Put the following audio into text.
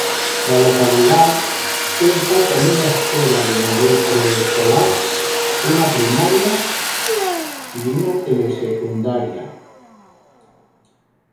La localidad cuenta con una escuela de nivel preescolar, una primaria y un telesecundaria.